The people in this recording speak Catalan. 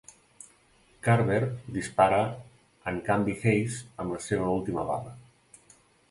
Carver dispara en canvi Hayes amb la seva última bala.